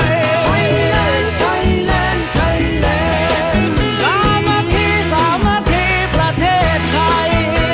ไทยแลนด์ไทยแลนด์ไทยแลนด์สามนาคีสามนาคีประเทศไทย